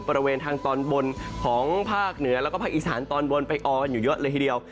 บริเวณทางตอนบนของภาคเหนือแล้วก็ภาคอีสานตอนบนไปออกันอยู่เยอะเลยทีเดียว